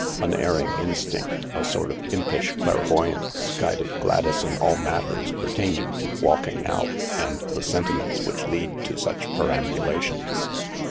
Unerring instinct, a sort of impish clairvoyance, guided Gladys in all matters pertaining to "walking out" and the sentiments which lead to such perambulations.